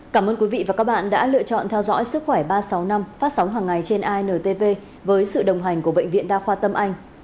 cảm ơn quý vị và các bạn đã lựa chọn theo dõi sức khỏe ba trăm sáu mươi năm phát sóng hàng ngày trên intv với sự đồng hành của bệnh viện đa khoa tâm anh